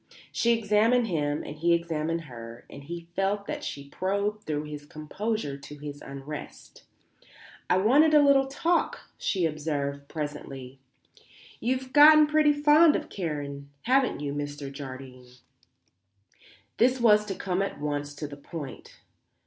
She examined him and he examined her and he felt that she probed through his composure to his unrest. "I wanted a little talk," she observed presently. "You've gotten pretty fond of Karen, haven't you, Mr. Jardine?" This was to come at once to the point.